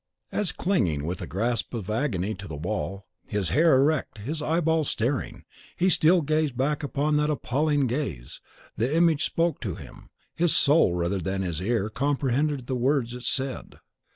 As, clinging with the grasp of agony to the wall, his hair erect, his eyeballs starting, he still gazed back upon that appalling gaze, the Image spoke to him: his soul rather than his ear comprehended the words it said.